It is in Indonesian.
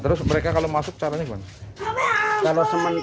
terus mereka kalau masuk caranya gimana